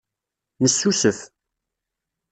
Nessusef.